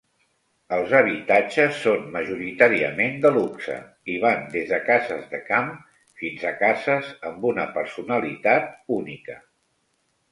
Els habitatges són majoritàriament de luxe, i van des de cases de camp fins a cases amb una personalitat única.